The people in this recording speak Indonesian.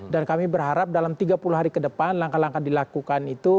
dan kami berharap dalam tiga puluh hari ke depan langkah langkah dilakukan itu